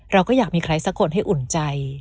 เราก็อยากมีใครสักคนให้อุ่นใจ